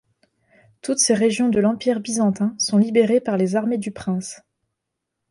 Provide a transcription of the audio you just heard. Toutes ces régions de l'empire byzantin sont libérées par les armées du Prince.